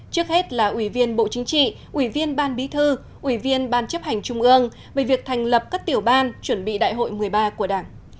trước hết là ủy viên bộ chính trị ủy viên ban bí thư ủy viên ban chấp hành trung ương về việc thành lập các tiểu ban chuẩn bị đại hội một mươi ba của đảng